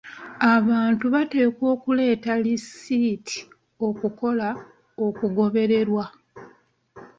Abantu bateekeddwa okuleeta lisiiti okukola okugobererwa.